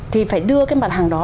thì phải đưa cái mặt hàng đó